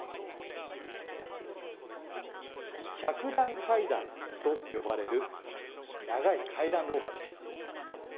「百段階段」と呼ばれる長い階段廊下です。